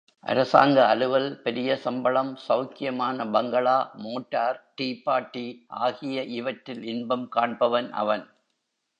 அரசாங்க அலுவல், பெரிய சம்பளம், செளக்கியமான பங்களா, மோட்டார், டீபார்ட்டி ஆகிய இவற்றில் இன்பம் காண்பவன் அவன்.